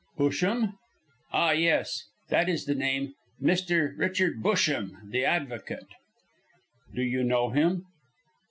_" "Busham?" "Ah, yes, that is the name. Mr. Richard Busham, the advocate." "Do you know him?"